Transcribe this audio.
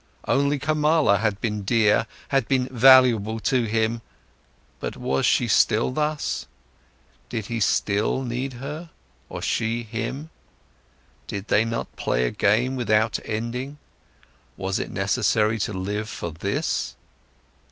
Only Kamala had been dear, had been valuable to him—but was she still thus? Did he still need her, or she him? Did they not play a game without an ending? Was it necessary to live for this?